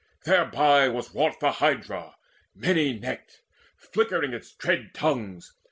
Thereby was wrought the Hydra many necked Flickering its dread tongues.